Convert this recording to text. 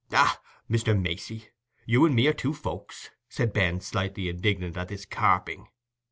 "Ah, Mr. Macey, you and me are two folks," said Ben, slightly indignant at this carping.